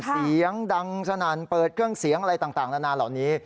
เสียงดังสนั่นเปิดเครื่องเสียงอะไรต่างนานาเหล่านี้